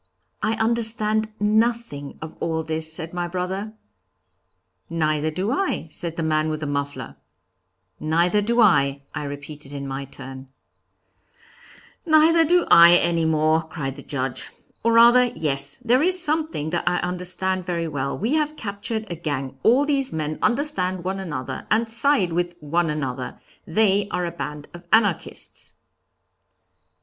'I understand nothing of all this,' said my brother; 'Neither do I,' said the man with the muffler; 'Neither do I,' I repeated in my turn; 'Neither do I any more,' cried the Judge; 'Or rather, yes, there is something that I understand very well; we have captured a gang, all these men understand one another, and side with one another; they are a band of Anarchists!'